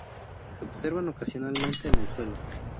Se observan ocasionalmente en el suelo.